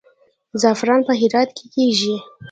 زعفران په هرات کې کیږي